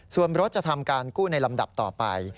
ส่วนรถจะทำการกู้ในลำดับต่อไป